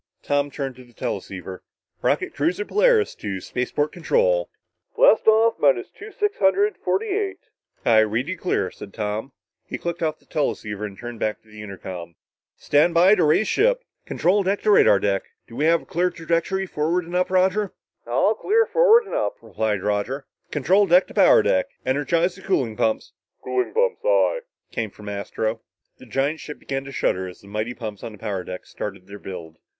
Tom turned to the teleceiver. "Rocket cruiser Polaris to spaceport control." "... Blast off minus two six hundred forty eight...." "I read you clear," said Tom. He clicked off the teleceiver and turned back to the intercom. "Stand by to raise ship! Control deck to radar deck. Do we have clear trajectory forward and up, Roger?" "All clear forward and up," replied Roger. "Control deck to power deck ... energize the cooling pumps!" "Cooling pumps, aye," came from Astro. The giant ship began to shudder as the mighty pumps on the power deck started their build.